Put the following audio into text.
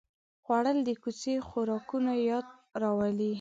خوړل د کوڅې خوراکونو یاد راولي